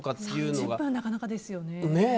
３０分はなかなかですよね。